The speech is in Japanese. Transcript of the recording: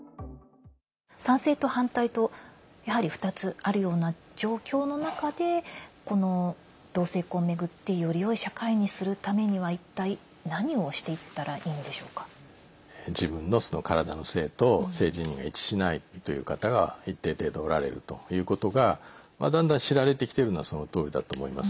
賛成と反対と、やはり２つあるような状況の中でこの同性婚を巡ってよりよい社会にするためには一体、何をしていったらいいんでしょうか。自分の体の性と性自認が一致しないという方が一定程度おられるということがだんだん知られてきているのはそのとおりだと思います。